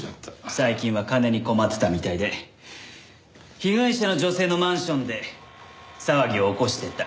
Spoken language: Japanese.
最近は金に困ってたみたいで被害者の女性のマンションで騒ぎを起こしていた。